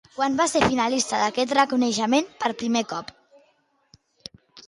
Quan va ser finalista d'aquest reconeixement per primer cop?